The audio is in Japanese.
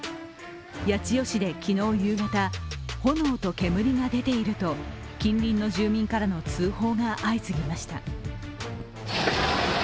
八千代市で昨日夕方、炎と煙が出ていると近隣の住民からの通報が相次ぎました。